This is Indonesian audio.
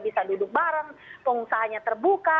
bisa duduk bareng pengusahanya terbuka